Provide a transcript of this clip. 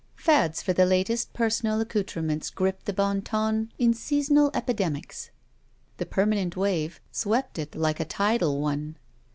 Fads for the latest personal accoutrements gripped the Bon Ton in seasonal epidemics. The permanent wave swept it like a tidal one.